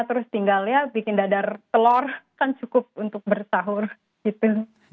terus tinggal ya bikin dadar telor kan cukup untuk bersahur gitu